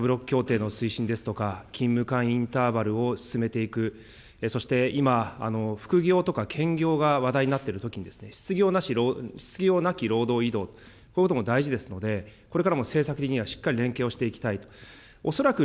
３６協定の推進ですとか、勤務間インターバルを進めていく、そして今、副業とか兼業が話題になっているときに、失業なき労働移動、こういうことも大事ですので、これからも政策的にはしっかりと連携をしていきたい。